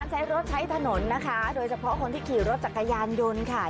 ใช้รถใช้ถนนนะคะโดยเฉพาะคนที่ขี่รถจักรยานยนต์ค่ะ